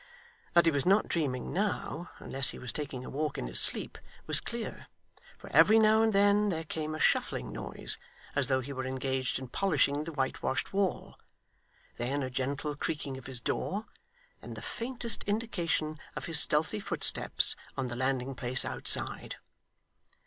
That he was not dreaming now, unless he was taking a walk in his sleep, was clear, for every now and then there came a shuffling noise, as though he were engaged in polishing the whitewashed wall; then a gentle creaking of his door; then the faintest indication of his stealthy footsteps on the landing place outside.